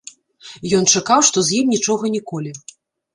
Ён чакаў, што з ім нічога ніколі.